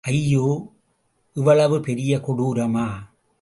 ஐயோ இவ்வளவு பெரிய கொடூரமா?